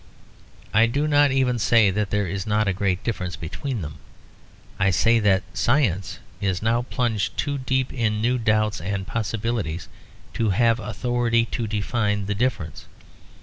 I do not even say that there is not a great difference between them; I say that science is now plunged too deep in new doubts and possibilities to have authority to define the difference.